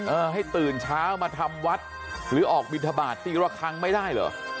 เออให้ตื่นเช้ามาทำวัดหรือออกบินทบาทตีละครั้งไม่ได้เหรอ